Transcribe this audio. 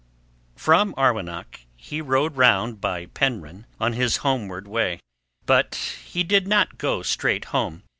From Arwenack he rode round by Penryn on his homeward way. But he did not go straight home.